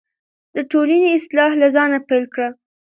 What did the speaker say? د ټولنې اصلاح له ځانه پیل کړئ.